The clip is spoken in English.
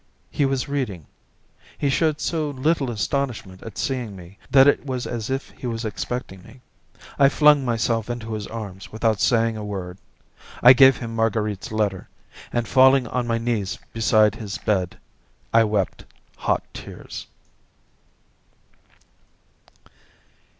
He was reading. He showed so little astonishment at seeing me, that it was as if he was expecting me. I flung myself into his arms without saying a word. I gave him Marguerite's letter, and, falling on my knees beside his bed, I wept hot tears.